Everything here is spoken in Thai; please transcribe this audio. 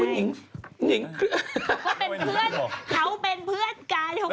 นิงเขาเป็นเพื่อนกัน